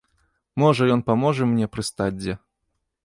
Можа, ён паможа мне прыстаць дзе.